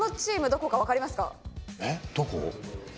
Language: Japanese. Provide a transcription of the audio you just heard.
どこ？